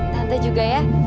tante juga ya